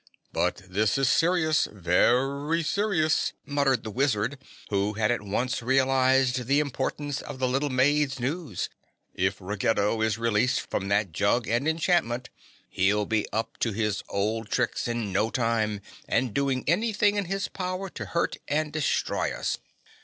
"But this is serious, very serious," muttered the Wizard, who had at once realized the importance of the little maid's news. "If Ruggedo is released from that jug and enchantment, he'll be up to his old tricks in no time and doing anything in his power to hurt and destroy us."